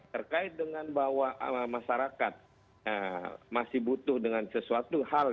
terkait dengan bahwa masyarakat masih butuh dengan sesuatu hal